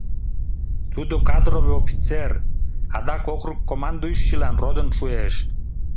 Тудо кадровый офицер, адак округ командующийлан родын шуэш.